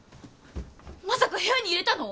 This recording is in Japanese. まさか部屋に入れたの？